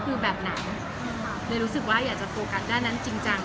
คือแบบไหนเลยรู้สึกว่าอยากจะโฟกัสด้านนั้นจริงจัง